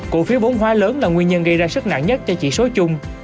cụ phiếu bốn hóa lớn là nguyên nhân gây ra sức nặng nhất cho chỉ số chung